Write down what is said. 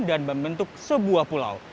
dan membentuk sebuah pulau